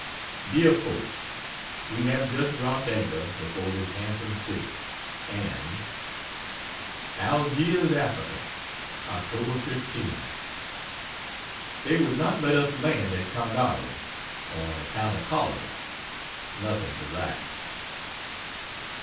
DEAR FOLKS, We have just dropped anchor before this handsome city and ALGIERS, AFRICA, Oct. 15. They would not let us land at Caghari on account of cholera. Nothing to write.